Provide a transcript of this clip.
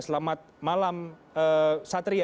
selamat malam satria